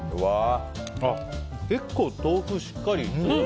結構、豆腐しっかり。